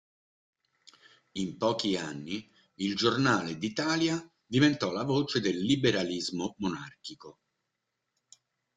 In pochi anni il "Giornale d'Italia" diventò la voce del liberalismo monarchico.